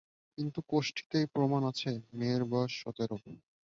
কিন্তু কোষ্ঠীতেই প্রমাণ আছে, মেয়ের বয়স সতেরো।